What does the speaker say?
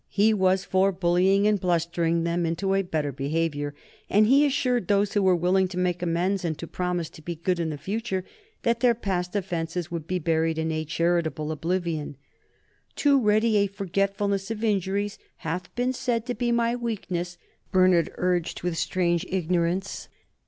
He was for bullying and blustering them into a better behavior, and he assured those who were willing to make amends and to promise to be good in the future that their past offences would be buried in a charitable oblivion. "Too ready a forgetfulness of injuries hath been said to be my weakness," Bernard urged with strange ignorance.